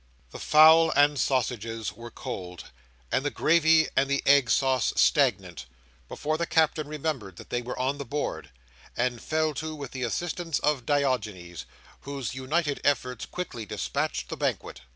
The fowl and sausages were cold, and the gravy and the egg sauce stagnant, before the Captain remembered that they were on the board, and fell to with the assistance of Diogenes, whose united efforts quickly dispatched the banquet.